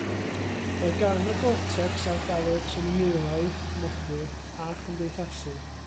Mae gan y cortecs ardaloedd synhwyraidd, modur a chymdeithasu.